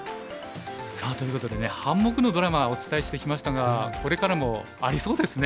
さあということでね半目のドラマお伝えしてきましたがこれからもありそうですね。